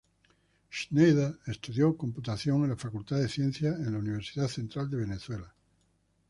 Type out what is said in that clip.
Schneider estudió Computación en la Facultad de Ciencias en la Universidad Central de Venezuela.